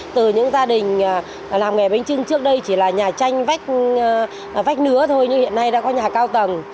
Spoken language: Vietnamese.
từ những gia đình làm nghề bánh trưng trước đây chỉ là nhà tranh vách vách nứa thôi nhưng hiện nay đã có nhà cao tầng